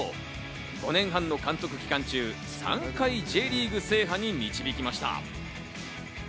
５年半の監督期間中、３回Ｊリーグ制覇に導きました。